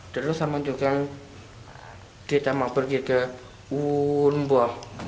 terus saman juga ditambah pergi ke ulemba